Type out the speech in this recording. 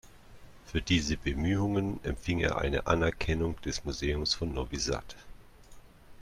Für diese Bemühungen empfing er eine Anerkennung des Museums von Novi Sad.